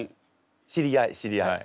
知り合い知り合い。